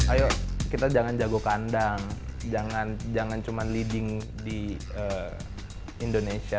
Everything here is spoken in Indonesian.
ayo kita jangan jago kandang jangan cuma leading di indonesia